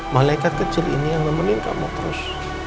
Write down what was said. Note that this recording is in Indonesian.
malaikat kecil ini yang memening kamu terus